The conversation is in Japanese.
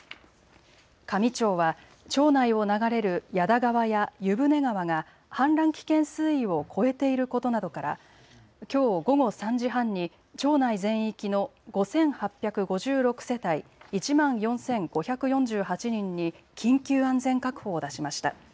香美町は町内を流れる矢田川や湯舟川が氾濫危険水位を超えていることなどから、きょう午後３時半に町内全域の５８５６世帯１万４５４８人に緊急安全確保を出しました。